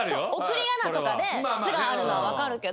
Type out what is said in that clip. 送り仮名とかで「つ」があるのは分かるけど。